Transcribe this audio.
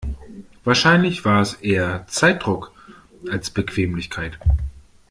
Wahrscheinlich war es eher Zeitdruck als Bequemlichkeit.